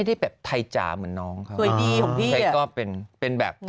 แต่งหลายรอบเนอะ